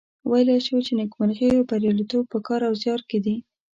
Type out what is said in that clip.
ویلای شو چې نیکمرغي او بریالیتوب په کار او زیار کې دي.